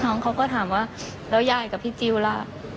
เขาก็ถามว่าแล้วยายกับพี่จิลล่ะ